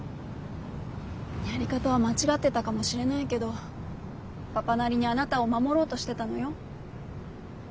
やり方は間違ってたかもしれないけどパパなりにあなたを守ろうとしてたのよ。